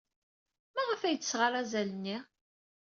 Maɣef ay d-tesɣa arazal-nni?